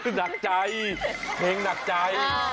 หนักใจเพลงหนักใจ